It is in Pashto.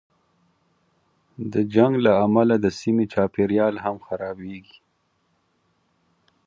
د جنګ له امله د سیمې چاپېریال هم خرابېږي.